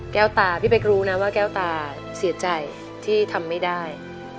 ตาพี่เป๊กรู้นะว่าแก้วตาเสียใจที่ทำไม่ได้